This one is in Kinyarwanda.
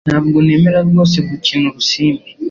Ntabwo nemera rwose gukina urusimbi